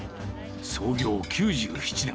創業９７年。